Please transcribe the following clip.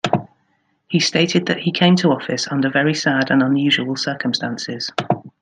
He stated that he came to office under "very sad and unusual circumstances".